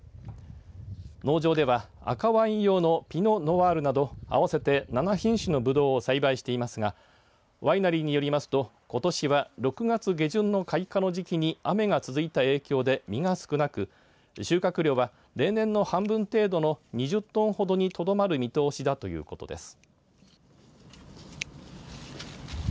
農場では赤ワイン用のピノ・ノワールなど合わせて７品種のぶどうを栽培していますがワイナリーによりますとことしは６月下旬の開花の時期に雨が続いた影響で実が少なく収穫量は例年の半分程度の２０トンほどにとどまる見通しだということです。